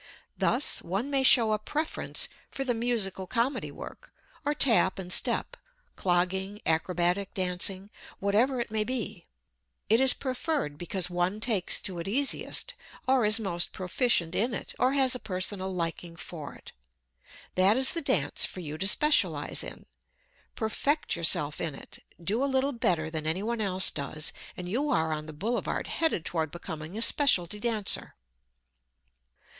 Thus one may show a preference for the musical comedy work, or tap and step, clogging, acrobatic dancing, whatever it may be. It is preferred because one takes to it easiest, or is most proficient in it, or has a personal liking for it. That is the dance for you to specialize in. Perfect yourself in it. Do a little better than anyone else does, and you are on the boulevard headed toward becoming a specialty dancer.